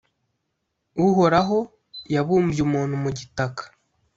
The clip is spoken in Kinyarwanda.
Uhoraho yabumbye muntu mu gitaka,